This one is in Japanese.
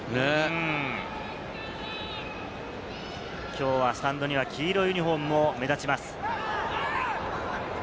きょうはスタンドには黄色いユニホームも目立ちます。